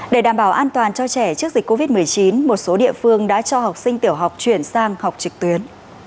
để đảm bảo an toàn cho trẻ trước dịch covid một mươi chín một số địa phương đã cho học sinh tiểu học chuyển sang học trực tuyến